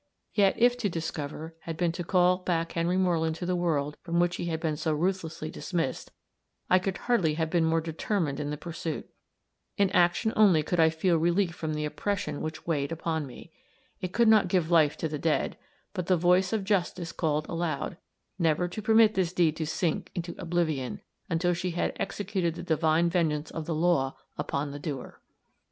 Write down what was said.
Yet, if to discover, had been to call back Henry Moreland to the world from which he had been so ruthlessly dismissed, I could hardly have been more determined in the pursuit. In action only could I feel relief from the oppression which weighed upon me. It could not give life to the dead but the voice of Justice called aloud, never to permit this deed to sink into oblivion, until she had executed the divine vengeance of the law upon the doer.